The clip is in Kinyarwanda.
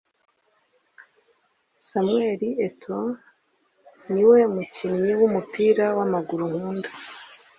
Samuel Eto'o niwe mukinnyi w'umupira w'amaguru nkunda